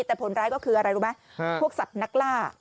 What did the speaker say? แต่ผลร้ายก็คืออะไรรู้ไหมพวกสัตว์นักล่า